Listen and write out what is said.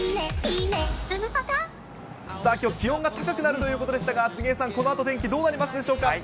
さあ、きょう気温が高くなるということでしたが、杉江さん、このあと天気どうなりますでしょうか。